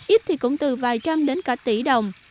ít thì cũng từ vài trăm đến cả tỷ đồng